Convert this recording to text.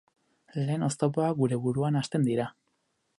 Lehen oztopoak gure buruan hasten dira.